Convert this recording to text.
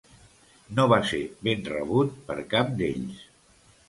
No va ser ben rebut per cap d'ells.